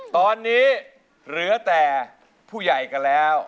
ตอนนี้เหลือแต่ผู้ใหญ่กันแล้ว